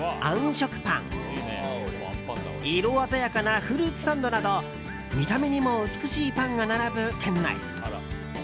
食パン色鮮やかなフルーツサンドなど見た目にも美しいパンが並ぶ店内。